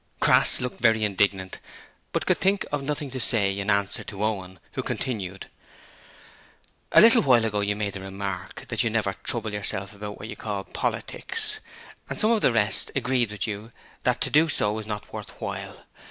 Crass looked very indignant, but could think of nothing to say in answer to Owen, who continued: 'A little while ago you made the remark that you never trouble yourself about what you call politics, and some of the rest agreed with you that to do so is not worth while.